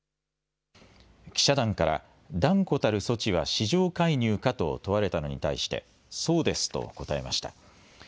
記者団から断固たる措置は市場介入かと問われたのに対してそうですと答えました。